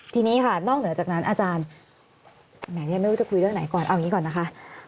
ทีนี้ค่ะนอกเหนือจากนั้นอาจารย์แหมเรียนไม่รู้จะคุยเรื่องไหนก่อนเอาอย่างนี้ก่อนนะคะ